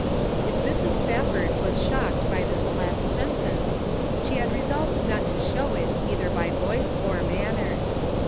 , F Mrs. Spafford was shocked by this last sentence, she had resolved not to show it either by voice or manner.